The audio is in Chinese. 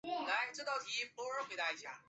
分子生物学推断为原始亚欧人的祖先。